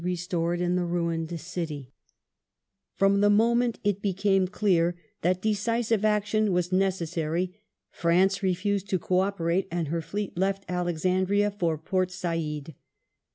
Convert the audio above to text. The From the moment it became clear that decisive action was ex?eSon necessary France refused to co operate, and her Fleet left Alex andria for Port Said.